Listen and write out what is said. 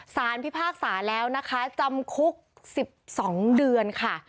พิพากษาแล้วนะคะจำคุก๑๒เดือนค่ะ